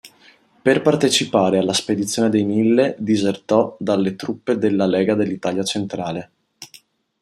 Per partecipare alla Spedizione dei Mille disertò dalle truppe della Lega dell'Italia Centrale.